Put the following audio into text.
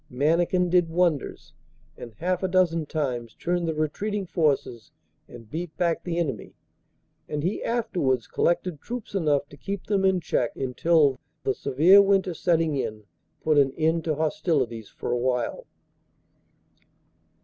Mannikin did wonders, and half a dozen times turned the retreating forces and beat back the enemy; and he afterwards collected troops enough to keep them in check until, the severe winter setting in, put an end to hostilities for a while.